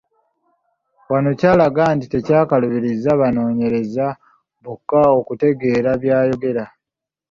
Wano kyalaga nti tekyakaluubiriza banoonyereza bokka okutegeera by’ayogera.